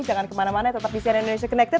jangan kemana mana tetap di cnn indonesia connected